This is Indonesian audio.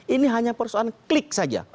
ini hanya perusahaan klik